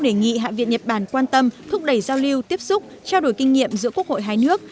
đề nghị hạ viện nhật bản quan tâm thúc đẩy giao lưu tiếp xúc trao đổi kinh nghiệm giữa quốc hội hai nước